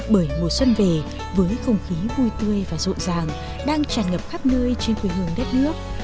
bởi mùa xuân về với không khí vui tươi và rộn ràng đang tràn ngập khắp nơi trên quê hương đất nước